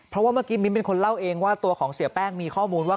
เพราะว่าเมื่อกี้มิ้นเป็นคนเล่าเองว่าตัวของเสียแป้งมีข้อมูลว่า